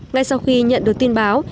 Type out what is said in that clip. ngay sau khi nhận được tin báo